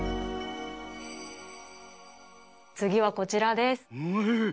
つぎはこちらです。